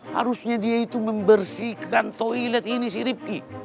harusnya dia itu membersihkan toilet ini si ripki